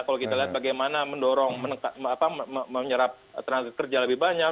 kalau kita lihat bagaimana mendorong menyerap tenaga kerja lebih banyak